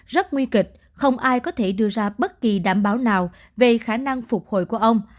rất nguy kịch không ai có thể đưa ra bất kỳ đảm bảo nào về khả năng phục hồi của ông